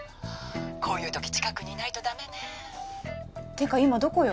こういう時近くにいないとダメねてか今どこよ？